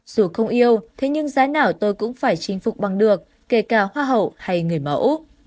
dù không yêu thế nhưng giá nào tôi cũng phải chinh phục bằng được kể cả hoa hậu hay người mẫu